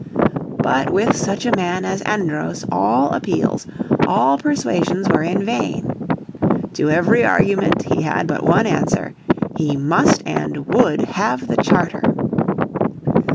But with such a man as Andros all appeals, all persuasions were in vain. To every argument he had but one answer, he must and would have the charter.